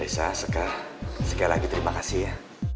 saya suka sekali lagi terima kasih ya